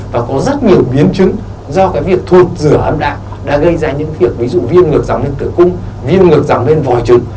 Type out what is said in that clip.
và có rất nhiều biến chứng do cái việc thuộc dửa âm đạo đã gây ra những việc ví dụ viêm ngược dẳng lên tử cung viêm ngược dẳng lên vòi trứng